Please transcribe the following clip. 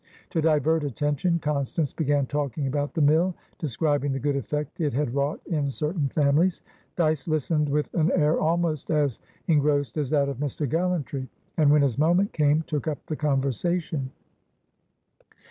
To divert attention, Constance began talking about the mill, describing the good effect it had wrought in certain families. Dyce listened with an air almost as engrossed as that of Mr. Gallantry, and, when his moment came, took up the conversation.